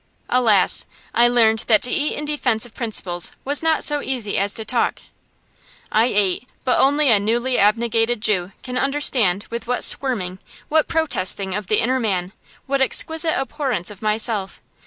Alas! I learned that to eat in defence of principles was not so easy as to talk. I ate, but only a newly abnegated Jew can understand with what squirming, what protesting of the inner man, what exquisite abhorrence of myself.